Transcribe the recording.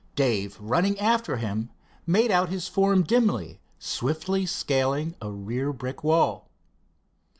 Dave, running after him, made out his form dimly, swiftly scaling a rear brick wall.